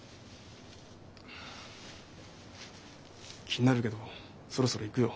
気になるけどそろそろ行くよ。